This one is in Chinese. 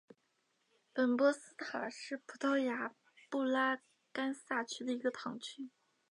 本波斯塔是葡萄牙布拉干萨区的一个堂区。